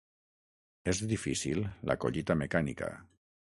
És difícil la collita mecànica.